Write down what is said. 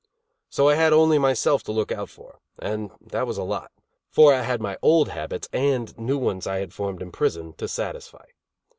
So I had only myself to look out for and that was a lot; for I had my old habits, and new ones I had formed in prison, to satisfy.